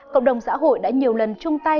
cộng đồng xã hội đã nhiều lần chung tay